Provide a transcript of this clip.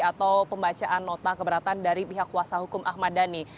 atau pembacaan nota keberatan dari pihak kuasa hukum ahmad dhani